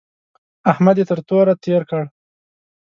احمد يې تر توره تېر کړ.